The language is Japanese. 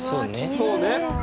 そうね。